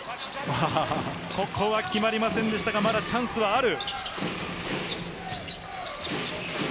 ここは決まりませんでしたが、まだチャンスはある。